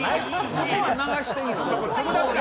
そこは流していいの。